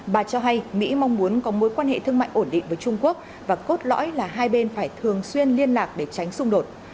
bà cho hay mỹ mong muốn có mối quan hệ thương mại ổn định với trung quốc và cốt lõi là hai bên phải thường xuyên liên lạc để tránh xung đột